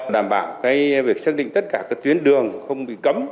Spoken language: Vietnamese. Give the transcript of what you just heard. đảm bảo việc xác định tất cả các tuyến đường không bị cấm